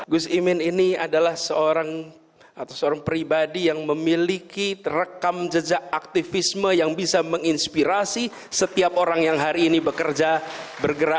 gus imin ini adalah seorang atau seorang pribadi yang memiliki rekam jejak aktivisme yang bisa menginspirasi setiap orang yang hari ini bekerja bergerak